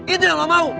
itu yang lo mau